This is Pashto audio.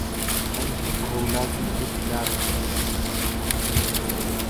تاریخي تحولاتو بهیر کې لاره کړې.